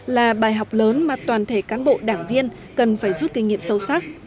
là bài học lớn mà toàn thể cán bộ đảng viên cần phải rút kinh nghiệm sâu sắc